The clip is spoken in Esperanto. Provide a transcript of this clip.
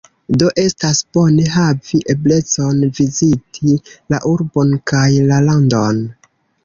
Do, estas bone havi eblecon viziti la urbon kaj la landon.